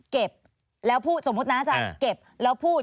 เก็บแล้วพูดสมมุตินะอาจารย์เก็บแล้วพูด